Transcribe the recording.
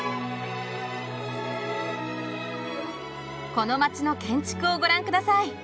この街の建築をご覧ください。